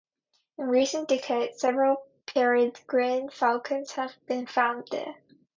In recent decades, several peregrine falcons have been found there.